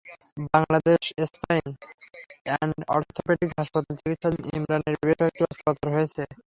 Bangladesh spine and orthopaedic হাসপাতালে চিকিৎসাধীন ইমরানের বেশ কয়টি অস্ত্রোপচার হয়েছে।